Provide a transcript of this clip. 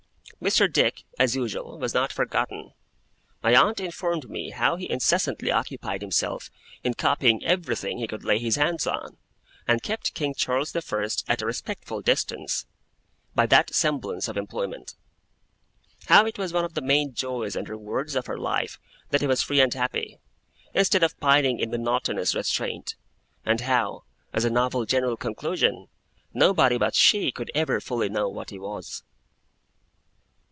Mr. Dick, as usual, was not forgotten. My aunt informed me how he incessantly occupied himself in copying everything he could lay his hands on, and kept King Charles the First at a respectful distance by that semblance of employment; how it was one of the main joys and rewards of her life that he was free and happy, instead of pining in monotonous restraint; and how (as a novel general conclusion) nobody but she could ever fully know what he was.